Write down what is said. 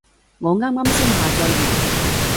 我啱啱先下載完